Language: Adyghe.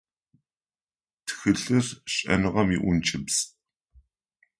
Тхылъыр - шӏэныгъэм иӏункӏыбз.